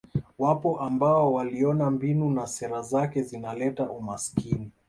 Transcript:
Wapo ambao waliona mbinu na sera zake zinaleta umasikini